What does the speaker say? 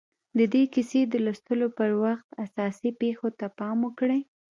د دې کیسې د لوستلو پر وخت اساسي پېښو ته پام وکړئ